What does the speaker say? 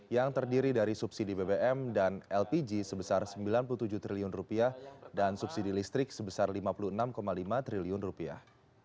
yang terdiri dari subsidi bbm dan lpg sebesar sembilan puluh tujuh triliun rupiah dan subsidi listrik sebesar lima puluh enam lima triliun rupiah